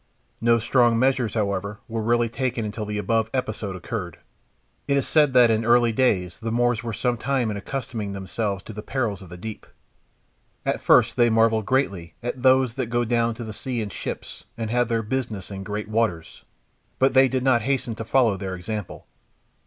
No strong measures, however, were really taken until the above episode occurred. It is said that in early days the Moors were some time in accustoming themselves to the perils of the deep. At first they marvelled greatly at "those that go down to the sea in ships, and have their business in great waters," but they did not hasten to follow their example.